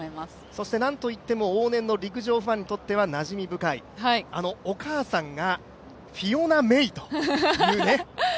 そしてなんといっても往年の陸上ファンにとってはなじみ深い、お母さんがフィオナ・メイというね。